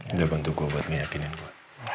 itu bantu gue buat meyakinin gue